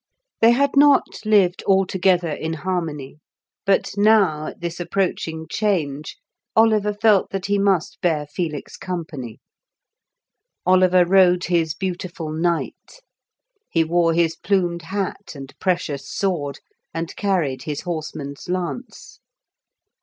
They had not lived altogether in harmony, but now, at this approaching change, Oliver felt that he must bear Felix company. Oliver rode his beautiful Night, he wore his plumed hat and precious sword, and carried his horseman's lance.